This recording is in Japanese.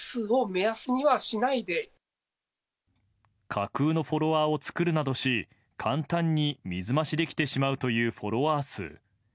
架空のフォロワーを作るなどし簡単に水増しできてしまうというフォロワー数。